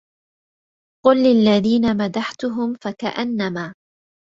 قل للذين مدحتهم فكأنما